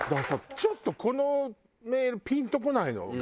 ちょっとこのメールピンとこないのが。